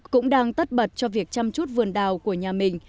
cũng đang tất bật cho việc chăm chút vườn đào của nhà mình